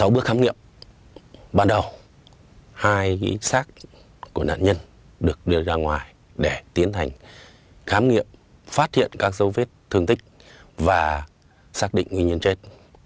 ban đầu hai ký xác của nạn nhân được đưa ra ngoài để tiến hành khám nghiệm phát hiện các giấu vết thương tích và xác định nguyên nhân chết